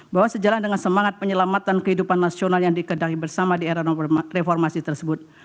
bahwa sejalan dengan semangat penyelamatan kehidupan nasional yang dikendali bersama di era reformasi tersebut